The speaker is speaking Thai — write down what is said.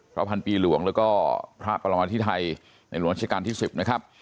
พระพระมันปีหลวงแล้วก็พระประมาธิไทยในรวมเชษฐการณ์ที่๑๐นะครับ